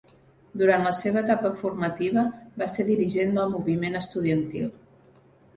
Durant la seva etapa formativa va ser dirigent del moviment estudiantil.